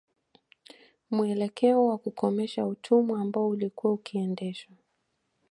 Muelekeo wa kukomesha utumwa ambao ulikuwa ukiendeshwa